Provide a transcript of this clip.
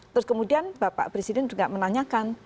terus kemudian bapak presiden juga menanyakan